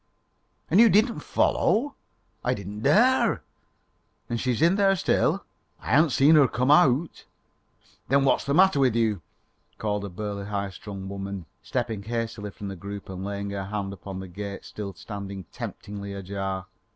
"And you didn't follow?" "I didn't dare." "And she's in there still?" "I haven't seen her come out." "Then what's the matter with you?" called out a burly, high strung woman, stepping hastily from the group and laying her hand upon the gate still standing temptingly ajar.